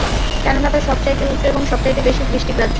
কেননা তা সবচাইতে উঁচু এবং সবচাইতে বেশি দৃষ্টিগ্রাহ্য।